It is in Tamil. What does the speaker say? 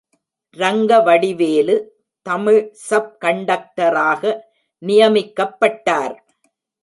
ரங்கவடிவேலு தமிழ் சப் கண்டக்டராக நியமிக்கப்பட்டார்.